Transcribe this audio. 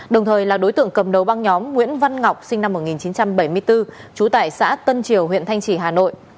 đồng thời là đối tượng cầm đầu băng nhóm nguyễn văn ngọc sinh năm một nghìn chín trăm bảy mươi bốn trú tại xã tân triều huyện thanh trì hà nội